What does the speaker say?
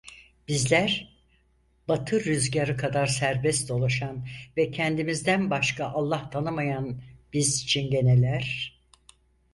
Bizler: Batı rüzgarı kadar serbest dolaşan ve kendimizden başka Allah tanımayan biz Çingene'ler.